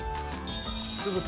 酢豚？